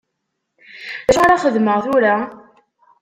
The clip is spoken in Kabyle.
D acu ara xedmeɣ tura?